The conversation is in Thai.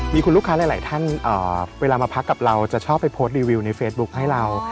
มีคุณลูกค้าหลายท่านเวลามาพักกับเราจะชอบไปโพสต์รีวิวในเฟซบุ๊คให้เรา